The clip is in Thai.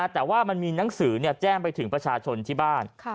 แต่ว่ามันมีหนังสือแจ้งไปถึงประชาชนที่บ้าน